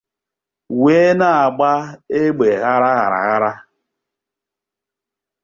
wee na-agba égbè aghara aghara